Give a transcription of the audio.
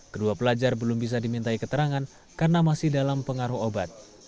kedua pelajar belum bisa dimintai keterangan karena masih dalam pengaruh obat